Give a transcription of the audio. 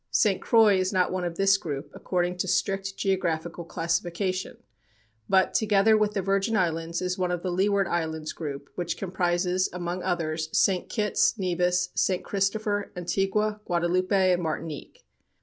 St. Croix is not one of this group, according to strict geographical classification, but, together with the Virgin Islands, is one of the Leeward Islands group, which comprises, among others, St. Kitts, Nevis, St. Christopher, Antigua, Guadaloupe and Martinique.